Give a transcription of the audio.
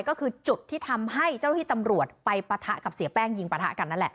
ก็คือจุดที่ทำให้เจ้าที่ตำรวจไปปะทะกับเสียแป้งยิงปะทะกันนั่นแหละ